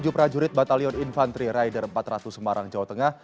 empat ratus dua puluh tujuh prajurit batalion infantry raider empat ratus semarang jawa tengah